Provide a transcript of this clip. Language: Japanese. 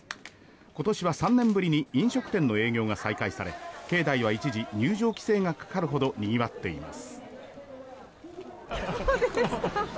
今年は３年ぶりに飲食店の営業が再開され境内は一時、入場規制がかかるほどにぎわっています。